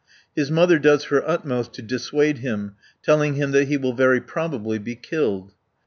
His mother does her utmost to dissuade him, telling him that he will very probably be killed.